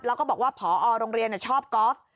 แล้วก็บอกว่าพอโรงเรียนชอบกอล์ฟ